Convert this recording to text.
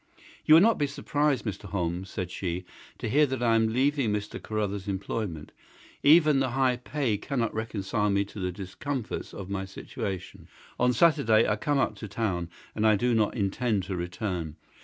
"You will not be surprised, Mr. Holmes," said she, "to hear that I am leaving Mr. Carruthers's employment. Even the high pay cannot reconcile me to the discomforts of my situation. On Saturday I come up to town and I do not intend to return.